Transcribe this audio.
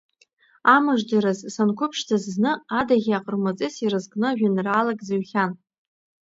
Амыждараз, санқәыԥшӡаз зны Адаӷьи аҟармаҵыси ирызкны жәеинраалак зыҩхьан…